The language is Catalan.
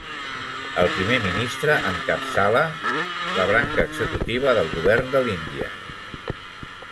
El primer ministre encapçala la branca executiva del Govern de l'Índia.